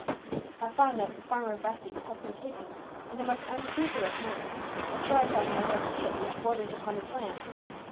"I find that Farmer Vesey has been taking, in a most unscrupulous manner, a slice off my west field which borders upon his lands.